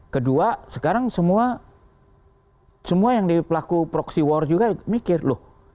kedua sekarang semua yang di pelaku proxy war juga mikir loh